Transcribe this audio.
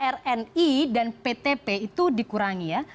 rni dan ptp itu dikurangi ya